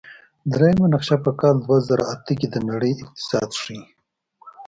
دریمه نقشه په کال دوه زره اته کې د نړۍ اقتصاد ښيي.